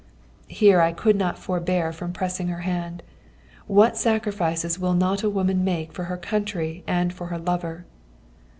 Here I could not forbear from pressing her hand. What sacrifices will not a woman make for her country and for her lover!